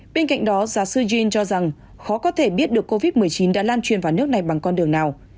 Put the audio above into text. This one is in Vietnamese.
bên cạnh đó giáo sư jin cho rằng khó có thể biết được covid một mươi chín đã lan truyền vào nước này bằng con đường nào